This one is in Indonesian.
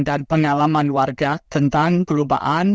dan pengalaman warga tentang perubahan